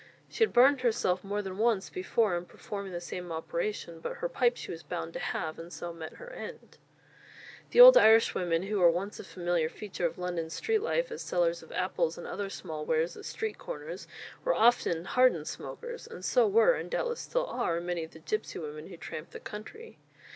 She had burned herself more than once before in performing the same operation; but her pipe she was bound to have, and so met her end. The old Irishwomen who were once a familiar feature of London street life as sellers of apples and other small wares at street corners, were often hardened smokers; and so were, and doubtless still are, many of the gipsy women who tramp the country.